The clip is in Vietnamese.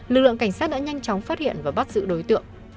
lực lượng cảnh sát đã nhanh chóng phát hiện và bắt giữ đối tượng